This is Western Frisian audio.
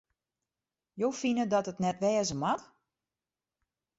Jo fine dat it net wêze moat?